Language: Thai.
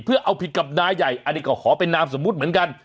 เพื่อเอาผิดกับนายใหญ่อันนี้ก็ขอเป็นนามสมมุติเหมือนกัน